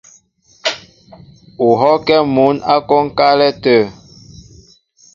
U hɔ́kɛ́ mǔn ǎ kwónkálɛ́ tə̂.